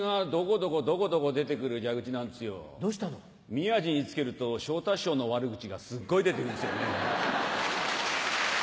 宮治につけると昇太師匠の悪口がすっごい出てくるんですよね。